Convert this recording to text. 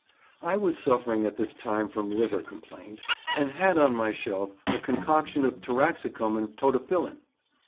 I was suffering at this time from liver complaint, and had on my shelf a concoction of taraxacum and podophyllin.